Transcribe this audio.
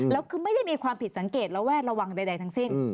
แล้วคือไม่ได้มีความผิดสังเกตระแวดระวังใดทั้งสิ้น